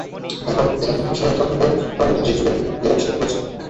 এখানে বিভিন্ন সময় অনুসন্ধান করে প্রাগৈতিহাসিক যুগের বিভিন্ন হাতিয়ার আবিষ্কৃত হয়েছে।